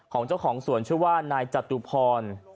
ของเจ้าของสวนชื่อว่านายจตุพร